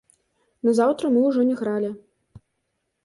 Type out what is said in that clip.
Назаўтра мы ўжо не гралі.